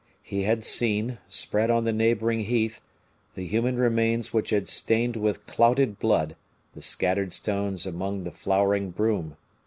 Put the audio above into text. He had seen, spread on the neighboring heath, the human remains which had stained with clouted blood the scattered stones among the flowering broom.